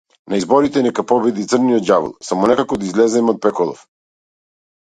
На изборите нека победи црниот ѓавол, само некако да излеземе од пеколов!